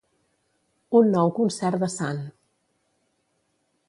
Un nou concert de Sant.